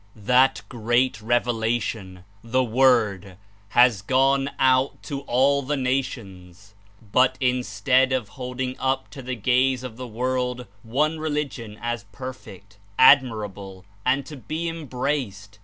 That great revelation, the Word, has gone out to all the nations, but Instead of holding up to the gaze of the world one religion as perfect, admirable and to be embraced.